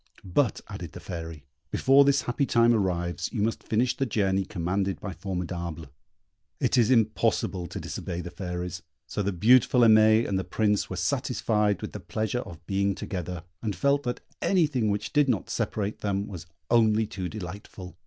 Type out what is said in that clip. "But," added the Fairy, "before this happy time arrives, you must finish the journey commanded by Formidable." It is impossible to disobey the Fairies; so the beautiful Aimée and the Prince were satisfied with the pleasure of being together, and felt that anything which did not separate them was only too delightful.